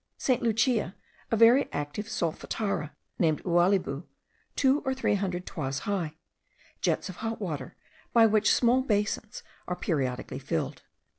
St. Lucia, a very active solfatara, named Oualibou, two or three hundred toises high; jets of hot water, by which small basins are periodically filled.